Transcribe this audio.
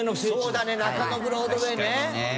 そうだね中野ブロードウェイね。